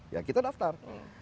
ya kita daftar